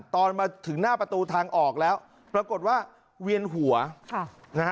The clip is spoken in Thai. ตอนมาถึงหน้าประตูทางออกแล้วปรากฏว่าเวียนหัวค่ะนะฮะ